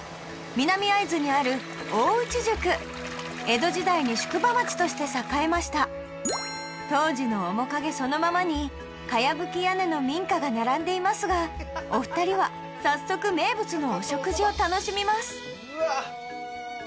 南会津にある大内宿江戸時代に宿場町として栄えました当時の面影そのままにかやぶき屋根の民家が並んでいますがお二人は早速名物のお食事を楽しみます